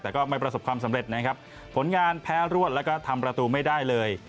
แต่ก็ไม่ประสบความสำเร็จนะครับผลงานแพ้รวดแล้วก็ทำประตูไม่ได้เลย